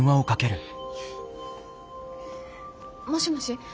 もしもし